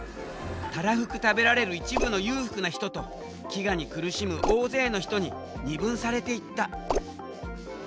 たらふく食べられる一部の裕福な人と飢餓に苦しむ大勢の人に二分されていった。